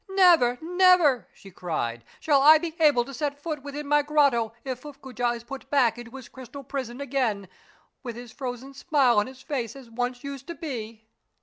" Never, never," she cried, " shall I be able to set foot within my grotto if Fuffcoojah is put back into his crystal prison again, with his frozen smile on his face as once used to be."